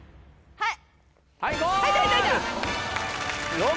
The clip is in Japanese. はい。